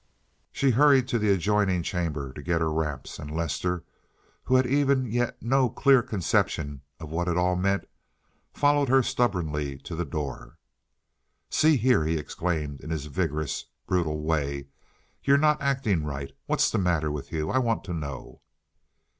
She hurried to the adjoining chamber to get her wraps, and Lester, who had even yet no clear conception of what it all meant, followed her stubbornly to the door. "See here," he exclaimed in his vigorous, brutal way, "you're not acting right. What's the matter with you? I want to know."